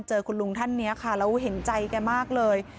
คุณลุงท่านนี้ค่ะแล้วเห็นใจแกมากเลย